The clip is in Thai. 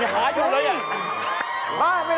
หายไปไหนว่ะ